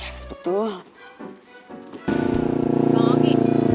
makasih banget ya udah nuangin aku lagi